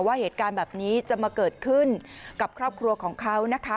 ว่าเหตุการณ์แบบนี้จะมาเกิดขึ้นกับครอบครัวของเขานะคะ